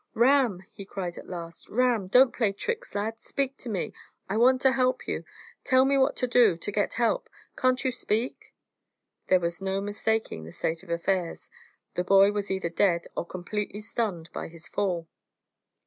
"Ram!" he cried at last. "Ram! Don't play tricks, lad. Speak to me. I want to help you. Tell me what to do to get help. Can't you speak?" There was no mistaking the state of affairs; the boy was either dead or completely stunned by his fall.